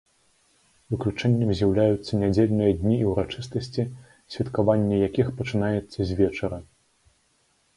Выключэннем з'яўляюцца нядзельныя дні і ўрачыстасці, святкаванне якіх пачынаецца з вечара.